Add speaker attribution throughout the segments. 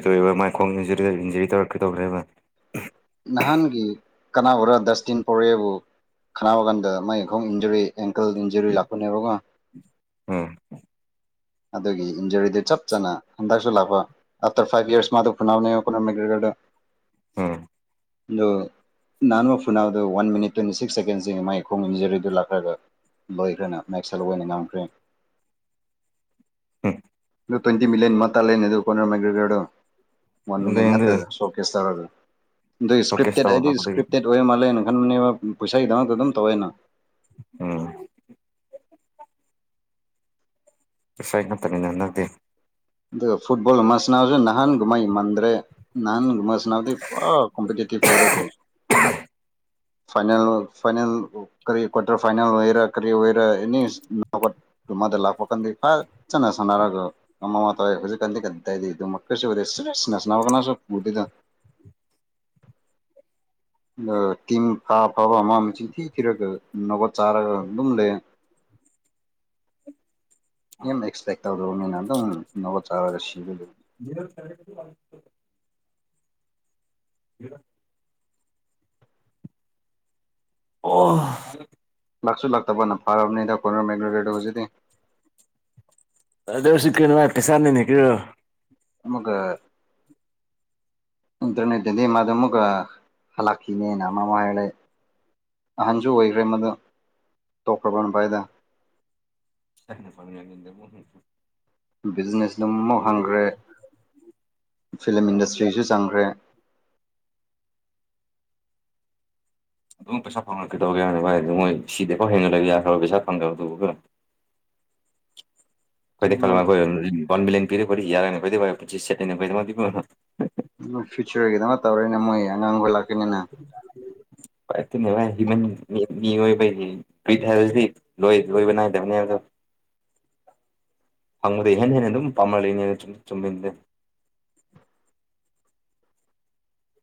Speaker 1: ꯀꯩꯗꯣꯏꯕ ꯃꯥꯏꯈꯣꯡ ꯏꯟꯖꯔꯤꯗ injury ꯇꯧꯔꯛꯀꯦ ꯇꯧꯈ꯭ꯔꯦꯕ꯫
Speaker 2: ꯅꯍꯥꯟꯒꯤ ꯀꯅꯥꯒꯔ ꯗꯁꯇꯟ ꯄꯧꯔꯛꯑꯦꯕꯨ ꯈꯥꯟꯅꯕ ꯀꯥꯟꯗ ꯃꯥꯏꯈꯣꯡ ꯏꯟꯖꯨꯔꯤ ꯑꯦꯡꯀꯜ ꯏꯟꯖꯨꯔꯤ ꯂꯥꯛꯄꯅꯦꯕꯀꯣ
Speaker 1: ꯎꯝ
Speaker 2: ꯑꯗꯨꯒꯤ ꯏꯟꯖꯔꯤꯗꯨ ꯆꯞ ꯆꯥꯅ ꯍꯟꯗꯛꯁꯨ ꯂꯥꯛꯄ ꯑꯐꯇꯔ ꯐꯥꯏꯚ ꯏꯔꯁ ꯃꯥꯗꯣ [unintelligible]
Speaker 1: ꯎꯝ
Speaker 2: ꯗꯣ ꯅꯍꯥꯟ ꯐꯨꯅꯥꯎꯗꯨ ꯋꯥꯟ ꯃꯤꯠ ꯇ꯭ꯋꯦꯟꯇꯤ ꯁꯤꯛꯁ ꯁꯦꯀꯦꯟꯁ ꯃꯥꯒꯤ ꯈꯣꯡ ꯏꯖꯨꯔꯤꯗꯨ ꯂꯥꯛꯈ꯭ꯔꯒ ꯂꯣꯏꯈ꯭ꯔꯅ ꯃꯦꯛꯁꯦꯜ ꯑꯣꯏꯅ ꯉꯝꯈ꯭ꯔꯦ꯫
Speaker 1: ꯎꯝ
Speaker 2: ꯇ꯭ꯋꯦꯟꯇꯤ ꯃꯤꯂꯌꯟ ꯃꯇꯥ ꯑꯗꯨꯔ ꯃꯒ꯭ꯔꯒꯔꯣ ꯋꯥꯟ ꯃꯤꯅꯤꯠ ꯅꯠꯇ
Speaker 1: ꯑꯗꯨꯗꯩꯗꯤ
Speaker 2: [unintelligible]
Speaker 1: ꯁꯣꯀꯦꯁ ꯇꯧꯔ
Speaker 2: ꯏꯁꯀ꯭ꯔꯤꯞꯇꯦꯠꯗꯤ
Speaker 1: ꯂꯥꯛꯄꯗꯒꯤ
Speaker 2: ꯏꯁꯀ꯭ꯔꯤꯇꯦꯠ ꯂꯣꯏꯔ ꯃꯥꯜꯂꯦꯅ ꯈꯟꯕꯅꯦꯕ ꯄꯩꯁꯥꯒꯤꯗꯃꯛꯇ ꯑꯗꯨꯝ ꯇꯧꯋꯦꯅ꯫
Speaker 1: ꯎꯝ ꯏꯁꯩ ꯈꯛꯇꯅꯤꯅ ꯅꯪꯇꯦ꯫
Speaker 2: ꯑꯗꯨꯒ ꯐꯨꯠꯕꯣꯜ ꯃꯁꯅꯁꯨ ꯅꯍꯥꯟꯒꯨꯝꯥꯏ ꯃꯥꯟꯗ꯭ꯔꯦ ꯅꯍꯥꯟꯒꯨꯕ ꯗꯤ ꯀꯝꯄꯇꯦꯇꯤꯞ ꯑꯣꯏꯔꯒꯣ ꯐꯥꯏꯅꯦꯜ ꯐꯥꯏꯅꯦꯜ ꯀꯔꯤ ꯀ꯭ꯋꯥꯇꯔ ꯐꯥꯏꯅꯦꯜ ꯑꯣꯏꯔꯒ ꯀꯔꯤ ꯑꯣꯏꯔ ꯑꯦꯅꯤ [unintelligible] ꯃꯗ ꯂꯥꯛꯄ ꯀꯥꯟꯗ ꯐꯖꯅ ꯁꯥꯟꯅꯔꯒ ꯃꯃ ꯃꯥ ꯇꯧꯍꯧꯖꯤꯛ ꯀꯥꯟꯗꯤꯒꯗꯥꯏꯗꯤ ꯑꯗꯨ ꯃꯈꯜꯁꯨ ꯅ ꯀꯅꯥꯁꯨꯗ ꯇꯤꯝ ꯐꯥ ꯐꯕ ꯑꯃ ꯑꯃ ꯆꯤꯊꯤ ꯊꯤꯔꯒ ꯅꯕꯣꯠ ꯆꯥꯔꯒ ꯑꯗꯨꯝ ꯂꯩ꯫ ꯌꯥꯝ ꯑꯦꯛꯁꯄꯦꯛ ꯇꯧꯗꯕ ꯃꯤꯅ ꯑꯗꯨꯝ ꯅꯣꯠ ꯆꯥꯔꯒ ꯁꯤꯕꯗꯨ
Speaker 1: [unintelligible] [unintelligible] ꯑꯣ [unintelligible]
Speaker 2: ꯂꯥꯛꯁꯨ ꯂꯥꯛꯇꯕꯅ ꯐꯔꯕꯅꯤꯗ ꯀꯣꯏꯅꯔꯝ ꯃꯦꯒ꯭ꯔꯣꯔꯦꯗꯣ ꯍꯧꯖꯤꯗꯤ
Speaker 1: ꯗꯦꯁꯤ ꯀꯦ ꯃꯥꯥꯏꯦ ꯁꯔꯅꯅꯦ ꯀꯨ
Speaker 2: ꯃꯒ ꯏꯟꯇꯔꯅꯦꯠꯇꯗꯤ ꯃꯥꯗꯨ ꯑꯃꯨꯛꯀ ꯍꯜꯂꯛꯈꯤꯅꯦꯅꯃ ꯑꯃꯨ ꯍꯥꯏꯔꯂꯦ ꯑꯍꯟꯁꯨ ꯑꯣꯏꯈ꯭ꯔꯦ ꯃꯗꯨ ꯇꯣꯛꯈ꯭ꯔꯕꯅ ꯚꯥꯏꯗ
Speaker 1: ꯐ ꯐꯅ ꯂꯩ [unintelligible]
Speaker 2: ꯕꯤꯖꯤꯅꯦꯁ ꯑꯗꯨꯝꯐꯥꯎ ꯍꯪꯈ꯭ꯔꯦ ꯐꯤꯂꯝ ꯏꯟꯗꯁꯇ꯭ꯔꯤꯁꯨ ꯆꯪꯈ꯭ꯔꯦ
Speaker 1: ꯑꯗꯨꯝ ꯄꯩꯁꯥ ꯐꯪꯉꯛꯀꯗꯧꯒ ꯌꯥꯔꯅꯤ ꯚ ꯑꯗꯨ ꯃꯣꯏ ꯁꯤꯗꯤꯐꯥꯎ ꯍꯦꯟꯅ ꯂꯩꯕ ꯌꯥꯈ꯭ꯔꯔ ꯄꯩꯁꯥ ꯐꯪꯗꯕ ꯑꯗꯨꯒ ꯈꯔ ꯀꯩꯇꯩ ꯀꯂꯃꯤ
Speaker 2: ꯃꯣꯏ
Speaker 1: ꯌꯥꯔ ꯑꯣꯏꯅ ꯀꯇꯩ ꯀ ꯄꯨ ꯁꯦꯕꯨ [unintelligible]
Speaker 2: ꯐ꯭ꯌꯨꯆꯔꯒꯤꯗꯃ ꯇꯧꯔꯦꯅ ꯃꯣꯏ ꯑꯉꯥꯡꯈꯣꯏ ꯂꯥꯛꯀꯅꯤꯅ
Speaker 1: ꯅꯕꯥꯏ ꯍ ꯃꯤꯑꯣꯏ [unintelligible] ꯄꯤ ꯊꯥꯁꯤ ꯂꯣꯏ ꯂꯣꯏꯕꯅꯥꯏꯗꯕꯅꯤꯗ ꯍꯪ ꯍꯟꯅꯅꯦ ꯑꯗꯨꯝ ꯄꯝꯃꯜ ꯆꯨꯝꯃꯤꯟꯗꯦ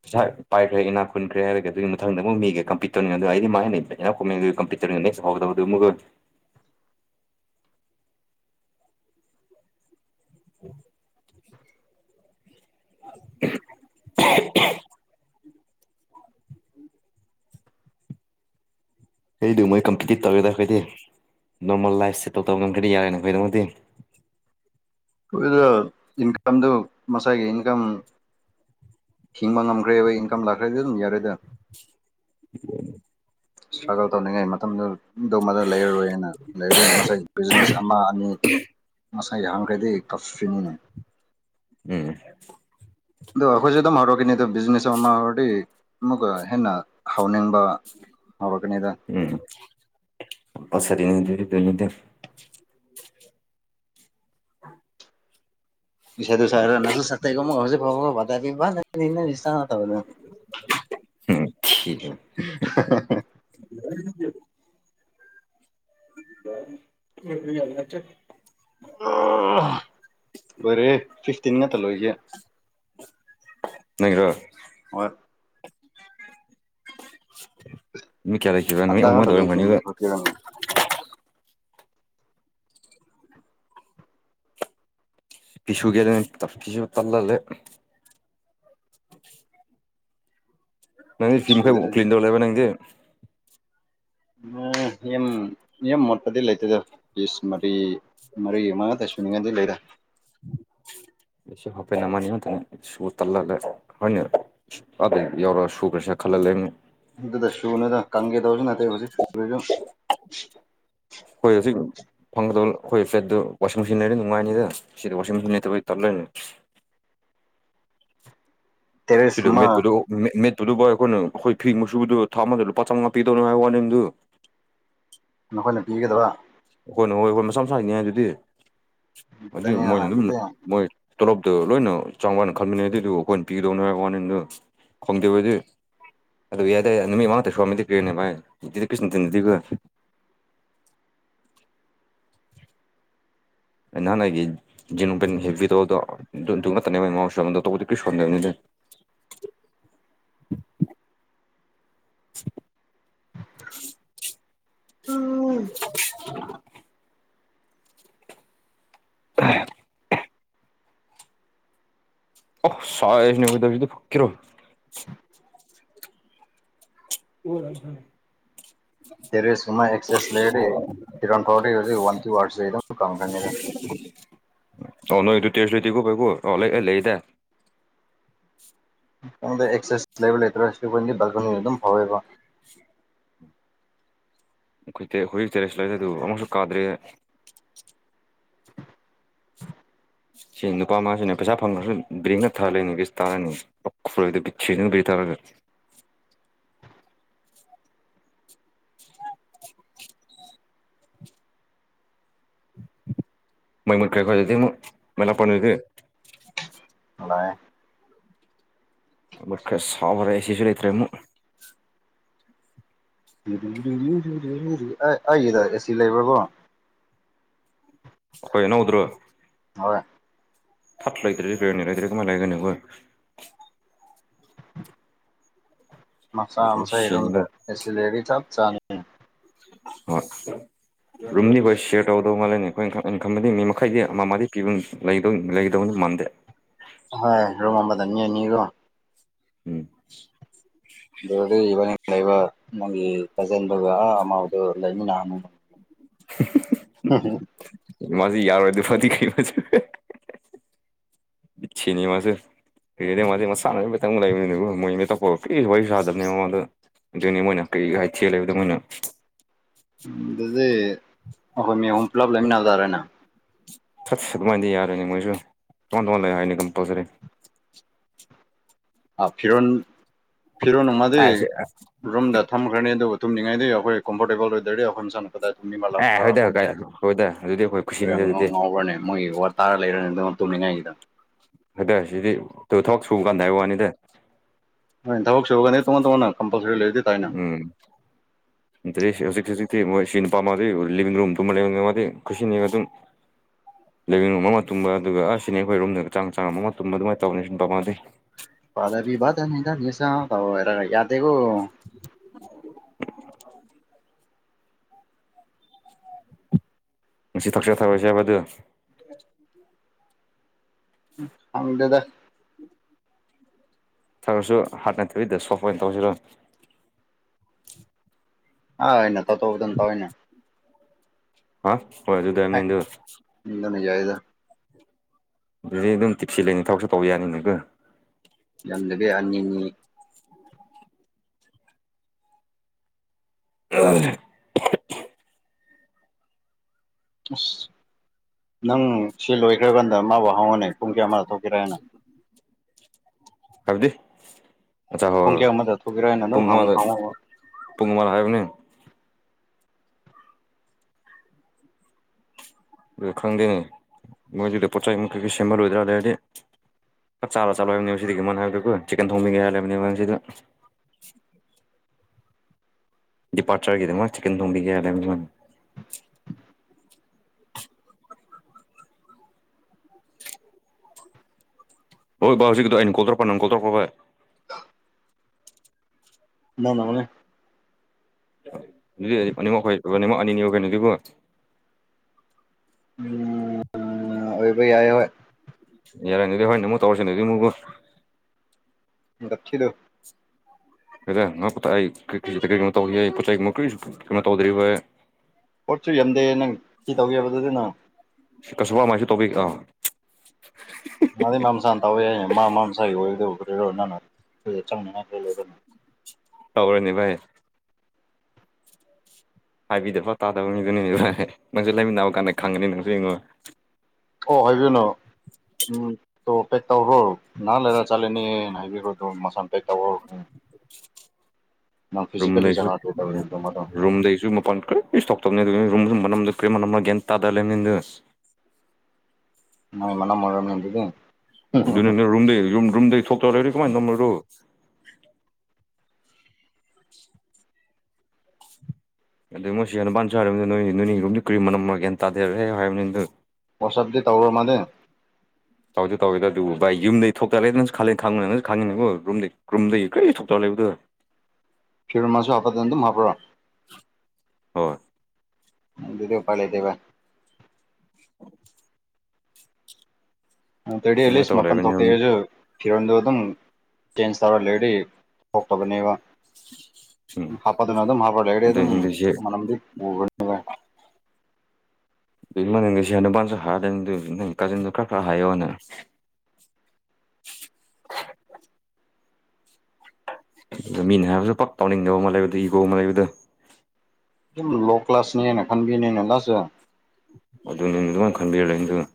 Speaker 1: ꯄꯁꯥꯏ ꯄꯥꯏꯈ꯭ꯔꯦ ꯏꯅꯥ ꯈꯨꯟꯈ꯭ꯔꯦ ꯍꯥꯏꯕꯒꯦ ꯑꯗꯨꯒꯤ ꯃꯊꯪ ꯑꯃꯨꯛ ꯃꯤꯒꯦ ꯀꯝꯄꯤꯠ ꯇꯧꯅꯤꯡꯉꯦ ꯑꯗꯨ ꯑꯩꯗꯤ ꯃꯥꯅ ꯂꯩꯩ ꯌꯥ ꯀꯣꯏ ꯀꯝꯤ ꯅꯦꯛꯁ ꯍꯣꯗꯕ ꯑꯗꯨ ꯃꯨꯒ [inaudible] ꯑ [inaudible] ꯑꯩꯗꯨꯣ ꯃꯣꯏ ꯀꯝꯄꯤꯇꯤꯠ ꯇꯧꯔꯦꯗ ꯑꯩꯈꯣꯏꯗꯤ ꯅꯣꯔꯃꯦꯜ ꯂꯥꯏꯐꯁꯦ ꯇꯧꯗꯕ ꯉꯝꯒ꯭ꯔꯅꯤ ꯌꯥꯔꯣꯏꯅ ꯑꯩꯈꯣꯏꯗꯃꯗꯤ
Speaker 2: ꯑꯗꯨꯣꯏ ꯏꯟꯀꯝꯗꯨ ꯃꯁꯥꯏꯒꯤ ꯏꯟꯀꯝ ꯍꯤꯡꯕ ꯉꯝꯈ꯭ꯔꯦꯕ ꯏꯟꯀꯝ ꯂꯥꯛꯈ꯭ꯔꯦꯗꯤ ꯑꯗꯨꯝ ꯌꯥꯔꯦꯗ ꯁꯇ꯭ꯔꯒꯜ ꯇꯧꯅꯤꯡꯉꯥꯏ ꯃꯇꯝꯗꯨ ꯗꯃꯗ ꯂꯩꯔꯔꯣꯏꯅ ꯂꯩꯔꯗꯤ ꯉꯁꯥꯏ ꯕꯤꯖꯤꯅꯦꯁ ꯑꯃ ꯑꯅꯤ ꯉꯁꯥꯏ ꯍꯥꯡꯈꯩꯗꯤ ꯇꯞꯁ꯭ꯔꯤꯅꯤꯅ
Speaker 1: ꯎꯝ
Speaker 2: ꯑꯗꯣ ꯑꯩꯈꯣꯏꯁꯨꯦ ꯑꯗꯨꯝ ꯍꯧꯔꯛꯈꯤꯅꯤ ꯑꯗꯣ ꯕꯤꯖꯤꯅꯦꯁ ꯑꯃ ꯑꯃ ꯍꯧꯔꯗꯤ ꯑꯃꯨꯛꯀ ꯍꯦꯟꯅ ꯍꯥꯎꯅꯤꯡꯕ ꯍꯕ ꯀꯅꯤꯗ
Speaker 1: ꯎꯝ ꯄꯁꯔꯤꯅꯤꯗ ꯑꯗꯨꯗ
Speaker 2: ꯄꯁꯗꯔ ꯆꯁꯨ
Speaker 1: ꯎꯝ
Speaker 2: ꯐꯕ
Speaker 1: ꯊꯤꯕ
Speaker 2: ꯍꯥꯎꯗ
Speaker 1: [unintelligible] ꯃꯅꯤ ꯌꯥꯆ [unintelligible]
Speaker 2: ꯂꯣꯏꯔꯦ ꯐꯤꯐꯇꯤꯟ ꯉꯇ ꯂꯣꯏꯁꯦ
Speaker 1: ꯅꯪꯒꯤꯔꯣ
Speaker 2: ꯑꯣ
Speaker 1: ꯃꯤ ꯀꯌꯥ ꯂꯩꯈꯤꯕ꯭ꯔꯥ ꯅꯣꯏ ꯑꯣꯡꯃꯗꯧꯔꯝꯒꯅꯤ ꯑꯗꯨꯒ
Speaker 2: ꯍꯝ
Speaker 1: ꯄꯤꯁꯨꯒꯦ ꯄꯤꯁꯎ ꯇꯜ ꯂꯦ ꯅꯪꯅ ꯁꯤꯝꯈ
Speaker 2: ꯁꯨꯗ꯭ꯔꯦ
Speaker 1: ꯑꯣ꯭꯭ꯂꯂꯤꯟꯗꯔ ꯂꯩꯕ ꯅꯪꯗꯤꯦ
Speaker 2: ꯎꯝ ꯌꯥꯝ ꯌꯥꯝ ꯃꯣꯠꯄꯗꯤ ꯂꯩꯇꯦꯗ ꯄꯤꯁ ꯃꯔꯤ ꯃꯔꯤ ꯑꯃꯉꯇ ꯁꯨꯅꯤꯡꯉꯥꯏꯗꯤ ꯂꯩꯔꯥ
Speaker 1: ꯁ ꯍꯅ ꯃꯥꯅꯤꯅꯇꯅꯤ ꯁ ꯇꯜꯥ ꯍꯅꯤ ꯑꯗꯩ ꯌꯥꯧꯔꯛꯒ ꯁꯨꯈ꯭ꯔꯦꯁꯦ ꯈꯜꯍꯜꯂꯦ
Speaker 2: ꯑꯗꯨꯗ ꯁꯨ ꯅ ꯀꯪꯒꯦ ꯇꯧꯁꯨ ꯅꯠꯇ ꯍꯧ ꯁꯨꯁꯨ
Speaker 1: ꯍꯣꯏ ꯍꯧ ꯁꯤ ꯐꯪꯒꯗꯕ ꯑꯩꯈꯣꯏꯒꯤ ꯐ꯭ꯂꯦꯠꯇꯨ ꯋꯥꯁꯤꯡ ꯃꯦꯆꯤꯟ ꯂꯩꯔꯅꯤ ꯅꯨꯡꯉꯥꯏꯅꯤꯗ ꯁꯤꯗꯤ ꯋꯥꯁꯤꯡ ꯃꯆꯤꯟ ꯂꯩꯇꯕꯩ ꯇꯜꯂꯣꯏꯅꯤ ꯁꯤꯗ
Speaker 2: ꯇꯦꯔꯦꯁꯀꯨꯝꯕ
Speaker 1: ꯃꯦꯠꯨ ꯃꯦꯠꯠꯇꯨꯗꯨꯕꯨ ꯑꯩꯈꯣꯏꯅ ꯑꯩꯈꯣꯏ ꯐꯤ ꯃꯨꯁꯨꯕꯗꯨ ꯊꯥꯃꯗ ꯂꯄꯥ ꯆꯝꯃꯉꯥ ꯄꯤꯗꯧꯅ ꯍꯥꯏꯕ ꯋꯥꯔꯦꯟꯗꯨ
Speaker 2: ꯅꯈꯣꯏꯅ ꯄꯤꯒꯗꯕ
Speaker 1: ꯑꯩꯈꯣꯏ ꯅ ꯍꯣꯏ ꯑꯩꯈꯣꯏ ꯃꯁꯥ ꯃꯁꯥꯅꯤ ꯑꯗꯨꯗꯤ ꯑꯗꯨꯗꯤ
Speaker 2: ꯑꯗꯨꯅꯤꯅ
Speaker 1: ꯃꯣꯏꯅ ꯑꯗꯨꯝ
Speaker 2: ꯑꯗꯨꯗꯤ
Speaker 1: ꯃꯣꯏ ꯇꯣꯂꯣꯞꯇꯣ ꯂꯣꯏꯅ ꯆꯥꯡ ꯋꯥꯅ ꯈꯟꯕꯅꯦ ꯑꯗꯨꯏꯗꯨꯕꯨ ꯑꯩꯈꯣꯏꯅ ꯄꯤꯒꯗꯧꯅꯦ ꯍꯥꯏ ꯋꯥꯅꯦꯗ ꯈꯪꯗꯦꯕꯗꯤ ꯑꯗꯨ ꯌꯥꯏꯗꯦ ꯅꯨꯃꯤꯠ ꯃꯉꯥꯗ ꯁꯣꯝꯗꯤ ꯀ꯭ꯔꯤꯦꯅꯦ ꯃꯥꯏꯗꯤ ꯀ꯭ꯁꯅ ꯇꯤꯟꯗꯨꯗꯤꯒ ꯅꯍꯥꯟ ꯑꯩꯒꯤ ꯖꯤꯟ ꯄꯦꯟ ꯍꯦꯕꯤ ꯇꯧꯕꯗꯣ ꯑꯗꯨ ꯑꯗꯨ ꯅꯠꯇꯅꯦ ꯃꯃꯁꯨ ꯑꯃꯗ ꯇꯧꯕ ꯀꯔꯤ ꯁꯣꯟꯗꯦꯕꯅꯤꯗ [unintelligible] ꯇꯥꯏ ꯑꯣ ꯁꯥꯏꯁꯅ ꯎꯗꯕꯤꯗ‌ ꯐꯛꯀꯦꯔꯣ [unintelligible]
Speaker 2: ꯇꯦꯔꯦꯁꯀꯨꯝꯕ ꯑꯦꯛꯆꯦꯁ ꯂꯩꯔꯗꯤ ꯐꯤꯔꯣꯟ ꯐꯧꯔꯗꯤ ꯍꯧꯖꯤꯛ ꯋꯥꯟ ꯇꯨ ꯑꯋꯥꯔꯁꯇꯗꯤ ꯑꯗꯨꯝ ꯀꯪꯈ꯭ꯔꯅꯤꯗ
Speaker 1: ꯑꯣ ꯅꯣꯏ ꯑꯗꯨ ꯇꯦꯔꯦꯁ ꯂꯩꯇꯦꯀꯣ ꯕꯥꯏꯒꯨ ꯑꯣ ꯂꯩ ꯂꯩꯑꯦꯗꯥꯏ
Speaker 2: ꯈꯪꯗꯦ ꯑꯦꯛꯆꯦꯁ ꯂꯩꯕ ꯂꯩꯇ꯭ꯔ ꯁꯤ ꯈꯨꯟꯒꯤ ꯕꯥꯜꯀꯣꯅꯤꯗ ꯑꯗꯨꯝ ꯐꯧꯋꯦꯕ
Speaker 1: ꯑꯩꯈꯣꯏ ꯇꯔꯦꯠ ꯑꯈꯣꯏꯒꯤ ꯇꯦꯔꯦꯁ ꯂꯩꯔꯦ ꯑꯗꯨ ꯑꯃꯨꯛꯁꯨ ꯀꯥꯗ꯭ꯔꯤ ꯑꯩ ꯁꯤ ꯅꯨꯄꯥ ꯃꯥꯁꯤꯅꯦ ꯄꯩꯁꯥ ꯐꯪꯉꯁꯨ ꯕꯦꯡꯅ ꯊꯥꯔꯅꯤ ꯀꯤꯁ ꯇꯥꯔꯅꯤ [unintelligible] [inaudible] ꯃꯩ ꯃꯨꯠꯈ꯭ꯔꯦ ꯈꯣꯏꯗꯗꯤ ꯑꯃꯨꯛ ꯃꯩ ꯂꯥꯛꯄ꯭ꯔꯥ ꯅꯣꯏꯗꯤ
Speaker 2: ꯂꯥꯛꯑꯦ
Speaker 1: ꯃꯨꯠꯈ꯭ꯔꯦ ꯁꯥꯕꯔꯦ ꯑꯦꯁꯤꯁꯨ ꯂꯩꯇ꯭ꯔꯦ ꯑꯃꯨꯛ
Speaker 2: [unintelligible] ꯑꯩ ꯑꯩꯒꯤꯗ ꯑꯦꯁꯤ ꯂꯩꯕ꯭ꯔꯕꯣ
Speaker 1: ꯑꯈꯣꯏ ꯑꯅꯧꯕꯗꯨꯔꯣ
Speaker 2: ꯍꯣꯏ
Speaker 1: ꯐꯠ ꯂꯩꯇ꯭ꯔꯗꯤ ꯕꯦꯔꯣꯅꯤ ꯂꯩꯇ꯭ꯔꯗꯤ ꯀꯃꯥꯏ ꯂꯩꯒꯅꯤ ꯑꯩꯈꯣꯏ
Speaker 2: ꯃꯆꯥ
Speaker 1: ꯁꯤꯅꯤꯗ
Speaker 2: ꯃꯆꯥꯏꯔꯨꯝꯗ ꯑꯦꯁꯤ ꯂꯩꯔꯗꯤ ꯆꯞ ꯆꯥꯅꯤ
Speaker 1: ꯍꯣꯏ ꯔꯨꯝꯗꯤ ꯑꯩꯈꯣꯏ ꯁꯤꯌ꯭ꯔ ꯇꯧꯒꯗꯧ ꯃꯥꯜꯂꯦꯅꯦ ꯑꯩꯈꯣꯏ ꯈꯟ ꯑꯩꯅ ꯈꯟꯕꯗꯤ ꯃꯤ ꯃꯈꯩꯗꯤ ꯑꯃ ꯃꯗꯤ ꯄꯤꯕꯝ ꯂꯩꯗꯧ ꯂꯩꯒꯗꯧꯗꯤ ꯃꯥꯟꯗꯦ
Speaker 2: ꯍꯣꯏ ꯔꯨꯝ ꯑꯃꯗ ꯃꯤ ꯑꯅꯤ ꯀꯣ
Speaker 1: ꯎꯝ
Speaker 2: ꯑꯗꯨꯗꯤ ꯏꯕꯥꯅꯤꯛ ꯂꯩꯕ ꯅꯪꯒꯤ ꯀꯖꯤꯟꯗꯨꯒ ꯑꯃꯗꯨ ꯂꯩꯃꯤꯟꯅꯍꯟꯅꯤꯡꯕ
Speaker 1: [unintelligible]
Speaker 2: ꯎꯝ ꯍꯨꯝ
Speaker 1: ꯃꯥꯖꯤ ꯌꯔꯣꯏꯗꯣꯏꯄꯣꯠꯇꯤ ꯀꯩꯅꯣ ꯁꯤꯅꯤ ꯃꯥꯁꯦ ꯀꯔꯤ ꯍꯥꯏꯗꯤ ꯃꯥꯗꯤ ꯃꯁꯥꯅꯥ ꯈꯤꯇꯪ ꯂꯩꯃꯤꯟꯅꯕ ꯃꯣꯏꯅ ꯍꯦꯛꯇꯥ ꯀꯣ ꯀꯔꯤꯁꯨ ꯋꯥꯔꯤ ꯁꯥꯗꯕꯅꯦ ꯃꯉꯣꯟꯗꯥ ꯑꯗꯨꯅꯤ ꯃꯣꯏꯅ ꯀꯔꯤ ꯍꯥꯏꯊꯤ ꯂꯩꯕꯗꯣ ꯃꯣꯏꯅ
Speaker 2: ꯑꯗꯨꯗꯤ ꯑꯩꯈꯣꯏ ꯃꯤ ꯑꯍꯨꯝ ꯄꯨꯂꯞ ꯂꯩꯃꯤꯟꯅ ꯇꯥꯔꯦꯅꯦ
Speaker 1: ꯊꯠꯁ ꯑꯗꯨꯃꯥꯏꯗꯤ ꯌꯥꯔꯦꯅꯦ ꯃꯣꯏꯁꯨ ꯇꯣꯡꯉꯥꯟ ꯇꯣꯡꯉꯥꯟ ꯂꯩ ꯍꯥꯏꯅꯦ ꯀꯝꯄꯜꯁꯔꯤ
Speaker 2: ꯑ ꯐꯤꯔꯣꯟ ꯐꯤꯔꯣꯟꯅꯨꯡꯃꯗꯤ
Speaker 1: ꯑꯁ
Speaker 2: ꯔꯨꯝꯗ ꯊꯝꯈ꯭ꯔꯅꯤ ꯑꯗꯨꯕꯨ ꯇꯨꯝꯅꯤꯡꯉꯩꯗꯤ ꯑꯩꯈꯣꯏ ꯀꯝꯐꯣꯔꯇꯦꯕꯜ ꯑꯣꯏꯗ꯭ꯔꯗꯤ ꯃꯥ ꯃꯁꯥꯅꯥ ꯀꯗꯥꯏ ꯇꯨꯝꯃꯤ ꯃꯥ ꯂꯥꯛꯔ
Speaker 1: ꯑꯦ
Speaker 2: ꯂꯥꯛꯔ
Speaker 1: ꯍꯣꯏꯗ
Speaker 2: ꯇꯨꯝꯕꯥ
Speaker 1: ꯀꯥꯏ
Speaker 2: ꯌꯥꯅꯤ
Speaker 1: ꯍꯣꯏꯗ ꯑꯗꯨꯗꯤ ꯑꯩꯈꯣꯏ ꯀꯨꯁꯤꯅꯤꯗ
Speaker 2: ꯑꯣꯏꯔꯣꯡ ꯅꯪ
Speaker 1: ꯑꯗꯨꯗꯤ
Speaker 2: ꯉꯥꯎꯕ꯭ꯔꯥꯅꯦ ꯃꯣꯏꯒꯤ ꯋꯥꯠ ꯇꯥꯔ ꯂꯩꯔꯅꯤ ꯑꯗꯨꯃ ꯇꯨꯝꯅꯤꯡꯉꯥꯏꯒꯤꯗꯣ
Speaker 1: ꯑꯗ ꯁꯤꯗꯤ ꯇꯨꯊꯣꯛ ꯁꯨꯡꯀꯥꯟꯗ ꯍꯥꯏꯕ ꯋꯥꯅꯤꯗ
Speaker 2: ꯍꯣꯏ ꯊꯕꯛ ꯁꯨꯕꯒꯅꯦ ꯇꯣꯡꯉꯥꯟ ꯇꯣꯡꯉꯥꯟꯅ ꯀꯝꯄꯜꯁꯔꯤ ꯂꯩ
Speaker 1: ꯎꯝ ꯗ꯭ꯔꯦꯁꯁꯦ ꯍꯧꯖꯤꯛ ꯍꯧꯖꯤꯛꯇꯤ ꯃꯣꯏ ꯁꯤ ꯅꯨꯄꯥ ꯃꯔꯤ ꯂꯤꯚꯤꯡ ꯔꯨꯝ ꯄꯨꯡꯃꯥ ꯂꯩꯕꯅꯦ ꯃꯗꯤ ꯈꯨꯁꯤꯅꯤꯌꯥ ꯑꯗꯨꯝ ꯂꯤꯕꯤꯡ ꯔꯨꯝ ꯑꯃ ꯇꯨꯝꯕ ꯑꯗꯨꯒ ꯑꯥꯁꯤꯅꯤ ꯑꯩꯈꯣꯏ ꯔꯨꯝꯗ ꯆꯥꯡ ꯆꯥꯡꯃꯒ ꯇꯨꯝꯕ ꯑꯗꯨꯃꯥꯏ ꯇꯧꯕꯅꯦ ꯁꯨꯝ ꯕꯕꯥꯟꯗꯩ
Speaker 2: ꯄꯥꯗꯕꯤ ꯕꯗꯅꯤ ꯗꯅꯥꯁꯥ ꯇꯧꯔꯦꯔꯒ ꯌꯗꯦꯀꯣ
Speaker 1: [unintelligible] ꯉꯁꯤ ꯊꯛꯁꯤꯔ ꯊꯛꯑꯔꯣꯏꯖꯤ ꯍꯥꯏꯕ ꯑꯗꯨ
Speaker 2: ꯐꯪꯗꯦꯗ
Speaker 1: ꯊꯔꯁꯨ ꯍꯥꯠꯅꯊꯣꯛꯏꯗ ꯁꯣꯛꯄ ꯑꯣꯏꯅ ꯇꯧꯖꯤꯔꯣ
Speaker 2: ꯑꯥꯏꯅꯀ ꯈꯇꯧꯕꯗꯨꯅ ꯐꯔꯦꯅꯦ
Speaker 1: ꯍꯥ ꯍꯣꯏ
Speaker 2: ꯑꯦ
Speaker 1: ꯑꯗꯨꯗꯥꯏꯝꯅꯤꯟꯗꯨ
Speaker 2: [unintelligible]
Speaker 1: [unintelligible]
Speaker 2: ꯌꯝꯗꯕꯤ ꯑꯅꯤ ꯑꯅꯤ
Speaker 1: [inaudible]
Speaker 2: ꯑꯁ ꯅꯪ ꯁꯤ ꯂꯣꯏꯈ꯭ꯔꯀꯥꯟꯗ ꯃꯥꯕꯨ ꯍꯪꯉꯣꯅꯦ ꯄꯨꯡ ꯀꯌꯥ ꯋꯥꯏꯗ ꯊꯣꯛꯀꯦꯔꯥ ꯍꯥꯏꯅ
Speaker 1: ꯍꯥꯏꯕꯥꯗꯤ
Speaker 2: ꯄꯨꯡ ꯀꯌꯥ ꯋꯥꯏꯗꯥ ꯊꯣꯛꯀꯦꯔꯥꯅꯥ ꯑꯗꯨꯝ ꯍꯪꯉꯣꯕꯥ
Speaker 1: ꯄꯨꯡ ꯑꯃꯗ ꯍꯥꯏꯕꯅꯦ ꯑꯗꯨ ꯈꯪꯗꯦꯅꯦ ꯃꯣꯏꯗꯨꯗ ꯄꯣꯠ ꯆꯩ ꯑꯃ ꯀꯩꯀꯩ ꯁꯦꯝꯃꯔꯣꯏꯗ꯭ꯔꯥ ꯂꯩꯔꯗꯤ ꯆꯥꯛꯆꯥꯔ ꯆꯠꯂꯣ ꯍꯥꯏꯕꯅꯦꯕꯥꯀꯣ ꯆꯤꯛꯀꯟ ꯊꯣꯡꯕꯤꯒꯦ ꯍꯥꯌꯕꯅꯤ ꯁꯤꯗ ꯗꯤꯄꯥꯔꯆꯔꯒꯤꯗꯃꯛ ꯆꯤꯀꯟ ꯊꯣꯡꯕꯤꯒꯦ ꯍꯥꯌꯕꯅꯤ ꯑꯣꯏ ꯕꯥꯏ ꯍꯧꯖꯤꯛꯀꯤꯗꯣ ꯅꯪꯅ ꯀꯣꯜ ꯇꯧꯔꯛꯄꯔꯣ ꯑꯩꯅꯥ ꯇꯧꯔꯛꯄꯔꯣ ꯕꯥꯢ
Speaker 2: ꯅꯡꯅ
Speaker 1: ꯑꯗꯨꯗꯤ ꯑꯈꯣꯏ ꯑꯅꯤꯃꯛ ꯑꯅꯤ ꯑꯅꯤ ꯇꯧꯅꯁꯦꯀꯣ
Speaker 2: ꯎꯝ ꯑꯣꯏꯕ ꯌꯥꯏ ꯍꯣꯌ
Speaker 1: ꯌꯔꯦ ꯑꯗꯨꯗꯤ ꯍꯣꯔꯦꯟ ꯑꯃꯨꯛ ꯇꯧꯔ꯭ꯁꯤꯀꯣ
Speaker 2: [unintelligible]
Speaker 1: ꯑꯩ ꯀꯩꯅꯣ ꯇꯧ ꯄꯣꯠ ꯆꯩ ꯀꯔꯤ ꯀꯩꯅꯣ ꯇꯧꯗ꯭ꯔꯤꯕ
Speaker 2: ꯄꯣꯠꯁꯨ ꯌꯥꯝꯗꯦ ꯅꯪ ꯀꯩ ꯇꯧꯒꯦ ꯍꯥꯏꯕꯥꯅꯣ
Speaker 1: [unintelligible]
Speaker 2: ꯃꯥꯗꯤ ꯃꯥꯁꯥꯅ ꯇꯧꯋꯦꯏꯌꯦ ꯃꯁꯥꯒꯤ ꯑꯣꯏꯒꯗ ꯑꯗꯨꯕꯨ ꯀꯔꯤꯔꯣ
Speaker 1: ꯇꯧꯔꯅꯤ ꯚꯥꯏ ꯍꯥꯏꯕꯤꯗꯕ ꯇꯥꯗꯕ ꯃꯤꯗꯨꯅꯤꯅꯦ ꯅꯪꯁꯨ ꯂꯩꯃꯤꯟꯅꯕ ꯀꯥꯟꯗ ꯈꯪꯒꯅꯤ ꯅꯪꯁꯨ ꯌꯦꯡꯉꯣ
Speaker 2: ꯑꯣ ꯍꯥꯏꯕꯤꯌꯨꯅꯣ ꯎꯝ ꯇꯣ ꯄꯦꯛ ꯇꯧꯔꯣ ꯉꯍꯥꯛ ꯂꯩꯔ ꯆꯠꯂꯥꯅꯤꯅꯥ ꯍꯥꯏꯕꯤꯈ꯭ꯔꯣ ꯃꯁꯥꯟꯅ ꯄꯦꯛ ꯇꯧꯔꯣ ꯅꯪ
Speaker 1: ꯔꯨꯝ
Speaker 2: ꯐꯤꯖꯤꯀꯦꯜꯂꯤ
Speaker 1: ꯗꯩꯁꯨ
Speaker 2: ꯖꯒꯥꯗ ꯇꯧꯔꯤꯗꯣ ꯃꯗꯣ
Speaker 1: ꯔꯨꯝ ꯗꯩꯁꯨ ꯃꯄꯥꯟ ꯀꯔꯤꯁꯨ ꯀꯔꯤꯁꯨ ꯊꯣꯛꯇꯕꯅꯤ ꯑꯗꯨꯅ ꯔꯨꯝ ꯒꯤ ꯃꯅꯝ ꯁꯤꯁꯨ ꯀꯩ ꯃꯅꯝ ꯂꯥ ꯒꯌ꯭ꯥꯟ ꯇꯥꯗꯅꯥ ꯂꯩꯕꯅꯤꯗ
Speaker 2: ꯃꯥꯒꯤ ꯃꯅꯝ ꯑꯣꯏꯔꯝꯒꯅꯤ ꯑꯗꯨꯗꯤ
Speaker 1: ꯑꯗꯨꯅ ꯔꯨꯝꯝꯗ ꯔꯨꯝ ꯔꯨꯨꯝꯗꯩ ꯊꯣꯛꯣꯛ ꯇꯧꯔꯦ ꯀꯃꯅ ꯅꯃꯔꯣ [unintelligible] ꯅꯣꯏꯅꯤ ꯂꯩꯕꯁꯤ ꯀꯩ ꯃꯅꯝꯂꯥ ꯒꯌ꯭ꯥꯟ ꯇꯥꯗꯦ ꯍꯦꯛ ꯍꯦꯛ ꯍꯥꯌꯕꯅꯤ
Speaker 2: ꯋ꯭ꯁ ꯎꯞ ꯗꯤ ꯇꯧꯕꯔꯣ ꯃꯗꯤ
Speaker 1: ꯇꯧꯗꯦ ꯇꯧꯋꯦꯗ ꯑꯗꯨꯕꯨ ꯔꯨꯝꯗꯒꯤ ꯊꯣꯛꯇꯕꯤ ꯈꯜꯂꯨ ꯈꯪꯅꯁꯨ ꯈꯪꯉꯤꯅꯦꯕꯨ ꯔꯨꯝꯗꯒꯤ ꯀꯔꯤꯝꯠ ꯊꯣꯛꯇꯔꯛ ꯂꯩꯕꯗꯣ
Speaker 2: ꯐꯤꯔ ꯃꯥꯁꯨ ꯍꯥꯞꯄꯗ ꯑꯗꯨꯝ ꯍꯥꯞꯄ꯭ꯔꯣ
Speaker 1: ꯍꯣꯏ
Speaker 2: ꯑꯗꯨꯗꯤ ꯎꯄꯥꯏ ꯂꯩꯇꯦ ꯕꯥꯏ ꯅꯠꯇꯔꯗꯤ
Speaker 1: ꯑꯗꯨꯃꯥꯏꯅ
Speaker 2: ꯑꯦꯠꯂꯤꯁꯇ꯭
Speaker 1: ꯇꯧꯔ
Speaker 2: ꯃꯄꯥꯟ
Speaker 1: ꯂꯩꯕꯅꯤ
Speaker 2: ꯊꯣꯛꯀꯦ ꯍꯥꯌꯔꯁꯨ ꯐꯤꯔꯣꯟꯗꯣ ꯑꯗꯨꯝ ꯆꯦꯟꯖ ꯇꯧꯔ ꯂꯩꯔꯗꯤ ꯊꯣꯛꯇꯕꯅꯦꯕ
Speaker 1: ꯎꯝ
Speaker 2: ꯍꯥꯄ ꯑꯗꯨꯅ ꯑꯗꯨꯝ ꯍꯥꯄꯄꯥ
Speaker 1: ꯑꯗꯨ
Speaker 2: ꯂꯩꯔꯗꯤ
Speaker 1: ꯅꯪꯁꯦ
Speaker 2: ꯃꯅꯝꯗꯨ ꯊꯣꯀꯞꯅꯦ
Speaker 1: [unintelligible] ꯃꯤꯅ ꯍꯥꯏꯕꯁꯨ ꯄꯥꯛ ꯇꯧꯅꯤꯡꯗꯕ ꯏꯒꯣ ꯑꯃꯥ ꯂꯩꯕꯗꯨ
Speaker 2: ꯑꯗꯨꯝ ꯂꯣ ꯀꯂ꯭ꯥꯁ ꯅꯦꯅ ꯈꯟꯕꯤꯕꯅꯦ
Speaker 1: ꯑꯗꯨꯅꯦ ꯑꯗꯨ ꯑꯗꯨꯃꯥꯏꯅ ꯈꯟꯕꯤꯔꯛꯅꯤ ꯑꯗꯨꯅ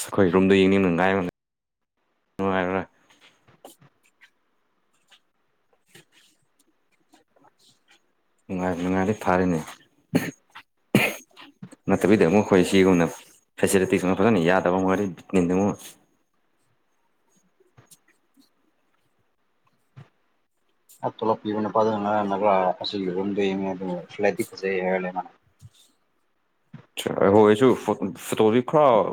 Speaker 1: ꯑꯩꯈꯣꯏ ꯔꯨꯝꯝꯗ ꯃꯤꯅ ꯉꯥꯏ ꯅꯨꯡꯉꯥꯏꯔ ꯅꯨꯡꯉꯥꯏ ꯅꯨꯡꯉꯥꯏꯔꯗꯤ ꯐꯥꯔꯤꯅꯦ ꯅꯠꯇꯕꯤꯗ ꯑꯃꯨꯛ ꯑꯩꯈꯣꯏ ꯁꯤꯒꯨꯝꯅ ꯐꯦꯁꯤꯂꯤꯇꯤꯒꯨꯝꯅ ꯐꯖꯅ ꯌꯥꯗꯕ ꯑꯣꯏꯔꯗꯤ
Speaker 2: [unintelligible]
Speaker 1: ꯑꯈꯣꯏꯒꯤꯁꯨ ꯐꯣꯇꯣꯗꯤ ꯈꯔ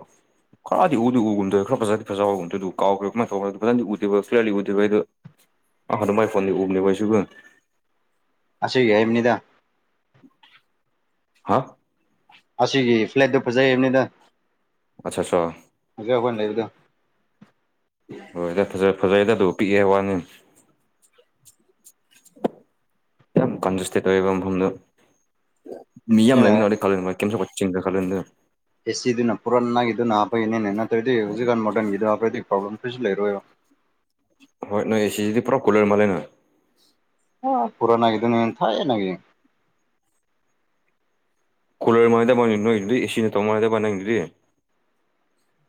Speaker 1: ꯈꯔꯗꯤ ꯎꯗꯤ ꯎꯒꯨꯝꯗꯣꯏ ꯈꯔ ꯐꯖꯗꯤ ꯐꯖꯕꯒꯨꯝꯗꯤ ꯑꯗꯨ ꯀꯥꯎꯈꯔꯦ ꯀꯃꯥꯏ ꯇꯧ ꯐꯖꯗꯤ ꯎꯗꯦꯕ ꯀꯂꯤꯌꯥꯔꯂꯤ ꯎꯗꯕ ꯑꯩ ꯑꯗꯨ ꯃꯒꯤ ꯐꯣꯟꯗꯒꯤ ꯎꯕꯅꯦ ꯑꯩꯁꯨ ꯀꯣ
Speaker 2: ꯑꯁꯤꯁ ꯌꯥꯦꯏꯕꯅꯤꯗꯥ
Speaker 1: ꯍꯥ
Speaker 2: ꯑꯁꯤꯒꯤ ꯐ꯭ꯂꯦꯠꯇꯣ ꯐꯖꯕꯅꯤꯗ
Speaker 1: ꯑꯆꯥ ꯑꯥ
Speaker 2: ꯍꯧꯖꯤꯛ ꯑꯩꯈꯣꯏꯅ ꯂꯩꯕꯗꯣ
Speaker 1: ꯍꯣꯏꯗ ꯐꯖ ꯐꯖꯩꯗ ꯑꯗꯨ ꯄꯤꯛꯑꯦ ꯋꯥꯅꯤ ꯌꯥꯝ ꯀꯟꯖꯨꯁꯦ ꯇꯣ ꯐꯝꯗꯨ ꯃꯤꯌꯥꯝ
Speaker 2: ꯁꯤꯅ
Speaker 1: ꯂꯩꯃꯤꯟꯅꯔꯗꯤ ꯈꯂꯦꯟ ꯀꯩꯝ ꯁꯗ ꯈꯜꯂꯦꯟꯗ
Speaker 2: ꯑꯦꯁꯤꯗꯨꯅ ꯄꯨꯔꯥꯅꯥꯒꯤꯗꯨꯅ ꯍꯥꯞꯄꯒꯤꯅꯦꯅꯦ ꯅꯠꯇ꯭ꯔꯗꯤ ꯍꯧꯖꯤꯛꯀꯥꯟ ꯃꯣꯗꯔꯟꯒꯤꯗꯣ ꯍꯥꯞꯄꯗꯤ ꯄ꯭ꯔꯣꯕ꯭ꯂꯦꯝ ꯀꯩꯁꯨ ꯂꯩꯔꯣꯏꯕ
Speaker 1: ꯍꯣꯏ ꯅꯣꯏ ꯑꯦꯁꯤꯁꯤꯗꯤ ꯄꯨꯔꯥ ꯀꯨꯂꯔ ꯃꯥꯜꯂꯦ ꯅꯣꯏ
Speaker 2: ꯍ ꯄꯨꯔꯥꯥꯟꯒꯗꯅꯦꯦꯟꯟ ꯌꯦꯅꯦꯅꯤ
Speaker 1: ꯀꯨꯂꯔ ꯃꯉꯅ ꯇꯕ ꯅꯣꯏꯗꯨ ꯑꯗꯨꯗꯤ ꯑꯦꯁꯤꯅ ꯇꯧꯕ ꯃꯅꯗꯕ ꯅꯪꯗꯨ ꯑꯗꯨꯗꯤ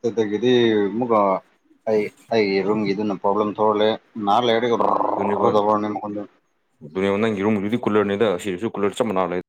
Speaker 2: ꯗ ꯀꯗꯤ ꯃꯒ ꯑꯩ ꯑꯩꯒꯤ ꯔꯨꯝꯒꯤꯗꯨꯅ ꯄ꯭ꯔꯣꯕ꯭ꯂꯦꯝ ꯊꯣꯛꯔꯛꯂꯦ ꯅꯍꯥ ꯂꯩꯔ
Speaker 1: ꯑꯗꯨꯅꯤꯅꯤ ꯅꯪ ꯌꯦꯔꯨꯝꯗꯨꯗꯤ ꯀꯨꯜꯂꯔꯅꯤꯗ ꯁꯤꯅꯁꯨ ꯀꯨꯂꯔ ꯆꯞ ꯃꯥꯟ ꯂꯩ